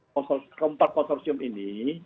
keempat konsorsium ini